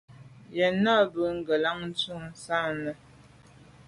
Yen nà ba ngelan ndù sàne.